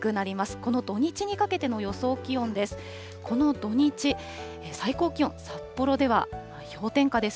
この土日にかけての予想気温です。